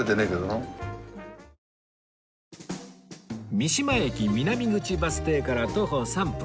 三島駅南口バス停から徒歩３分